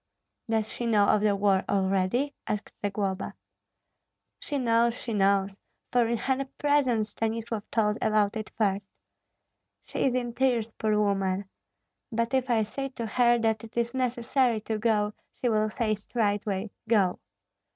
"Does she know of the war already?" asked Zagloba. "She knows, she knows, for in her presence Stanislav told about it first. She is in tears, poor woman! But if I say to her that it is necessary to go, she will say straightway. Go!"